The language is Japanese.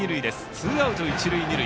ツーアウト、一塁二塁。